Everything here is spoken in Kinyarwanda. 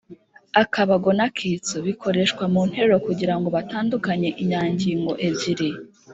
akabago n‟akitso : bikoreshwa mu nteruro kugira ngo batandukanye inyangingo ebyiri